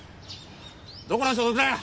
どこの所属だ！